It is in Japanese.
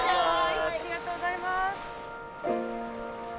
ありがとうございます。